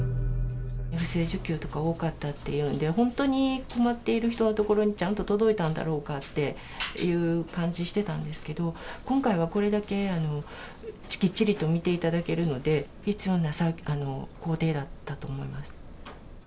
不正受給とか多かったっていうんで、本当に困っている人のところにちゃんと届いたんだろうかっていう感じしてたんですけど、今回はこれだけきっちりと見ていただけるので、必要な工程だったと思います。